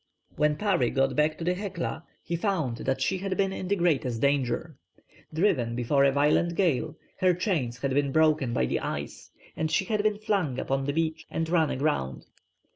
When Parry got back to the Hecla, he found that she had been in the greatest danger. Driven before a violent gale, her chains had been broken by the ice, and she had been flung upon the beach, and run aground.